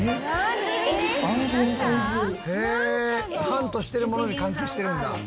「ハントしてるものに関係してるんだ」